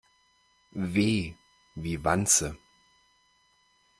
W wie Wanze.